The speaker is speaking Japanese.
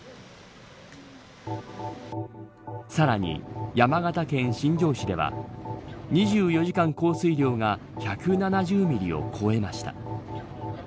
さらに山形県新庄市では２４時間降水量が１７０ミリを超えました。